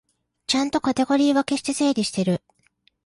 ちゃんとカテゴリー分けして整理してる